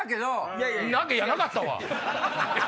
いやなかったわ！